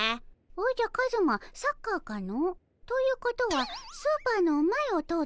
おじゃカズマサッカーかの？ということはスーパーの前を通って行くのかの？